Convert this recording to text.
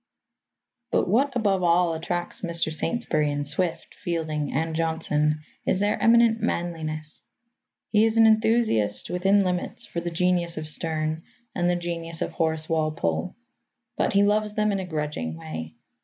But what, above all, attracts Mr. Saintsbury in Swift, Fielding and Johnson is their eminent manliness. He is an enthusiast within limits for the genius of Sterne and the genius of Horace Walpole. But he loves them in a grudging way.